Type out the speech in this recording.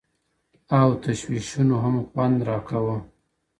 او تشویشونو هم خوند راکاوه